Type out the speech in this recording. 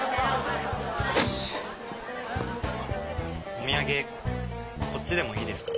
お土産こっちでもいいですか？